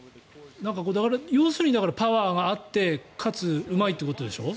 なんか、要するにパワーがあってかつうまいってことでしょ。